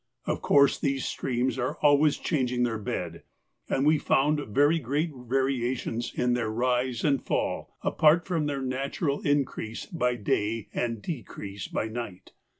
Of course these streams are always changing their bed, and we found very great variations in their rise and fall apart from their natural increase by day and decrease by night.